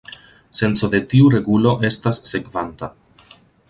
Senco de tiu regulo estas sekvanta.